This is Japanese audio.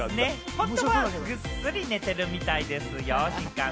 本当はぐっすり寝てるみたいですよ。